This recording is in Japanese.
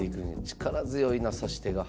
力強いな指し手が。